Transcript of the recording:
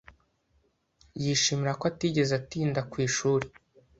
Yishimira ko atigeze atinda ku ishuri.